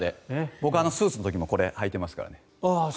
僕はスーツの時もこれ、履いてますから。